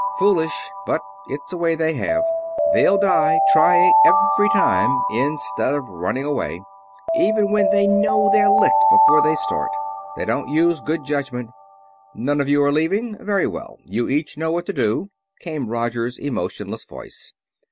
Foolish, but it's a way they have they'll die trying every time instead of running away, even when they know they're licked before they start. They don't use good judgment." "None of you are leaving? Very well, you each know what to do," came Roger's emotionless voice.